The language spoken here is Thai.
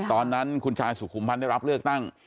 ตอนนั้นคุณชายสุขุมพันธ์ได้รับเลือกตั้ง